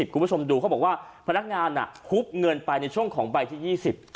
คุณผู้ชมดูเขาบอกว่าพนักงานหุบเงินไปในช่วงของใบที่ยี่สิบ